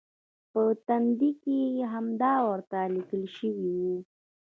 په تندي کې همدا ورته لیکل شوي و.